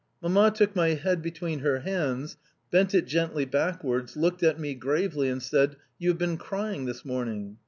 Mamma took my head between her hands, bent it gently backwards, looked at me gravely, and said: "You have been crying this morning?"